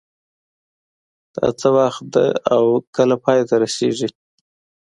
دا څه وخت ده او کله پای ته رسیږي